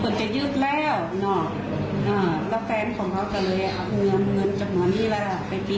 แล้วเค้าก็ว่ามาได้คืนมาถ่าย